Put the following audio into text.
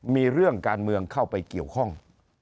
มีเรื่องการเมืองเข้าไปเกี่ยวข้อง